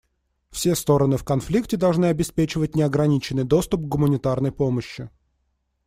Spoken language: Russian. Все стороны в конфликте должны обеспечивать неограниченный доступ к гуманитарной помощи.